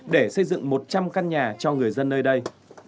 để xây dựng một trăm linh căn nhà cho người dân nơi đây